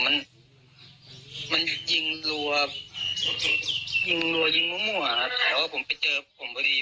มันมันยิงรัวยิงรัวยิงมั่วครับแต่ว่าผมไปเจอผมพอดี